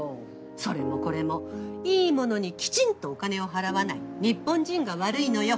それもこれもいいものにきちんとお金を払わない日本人が悪いのよ。